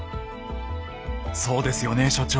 そうですよね所長。